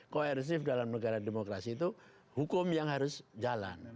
koersif dalam negara demokrasi itu hukum yang harus jalan